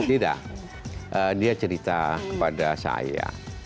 tidak dia cerita kepada saya